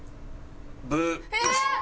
ブー！